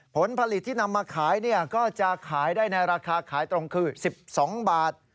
ผลผลิตที่นำมาขายก็จะขายได้ในราคาขายตรงคือ๑๒บาท